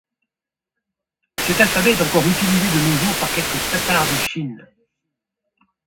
Cet alphabet est encore utilisé de nos jours par quelques tatars de Chine.